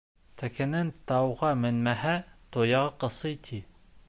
Тәкәнең тауға менмәһә, тояғы ҡысый, ти.